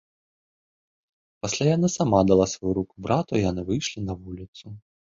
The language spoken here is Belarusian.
Пасля яна сама дала сваю руку брату, і яны выйшлі на вуліцу.